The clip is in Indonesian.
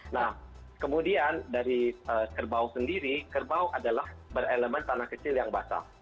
nah kemudian dari kerbau sendiri kerbau adalah berelemen tanah kecil yang basah